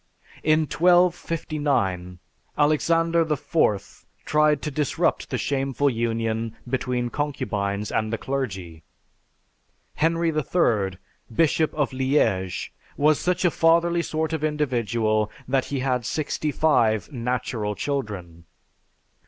In 1259, Alexander IV tried to disrupt the shameful union between concubines and the clergy. Henry III, Bishop of Liege, was such a fatherly sort of individual that he had sixty five "natural children!"